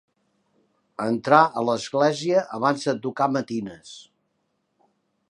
Entrar a l'església abans de tocar matines.